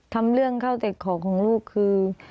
ทำเรื่องเข้าเต็ดของของลูกคือ